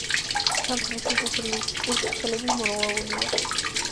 სამხრეთ შესასვლელის წირთხლები მორღვეულია.